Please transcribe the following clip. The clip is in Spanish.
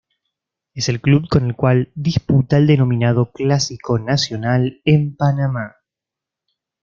Es el club con el cual disputa el denominado "Clásico Nacional" en Panamá.